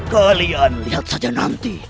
kalian lihat saja nanti